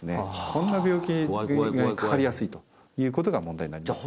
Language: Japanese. こんな病気にかかりやすいということが問題になりますじゃあ